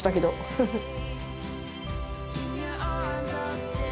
フフッ。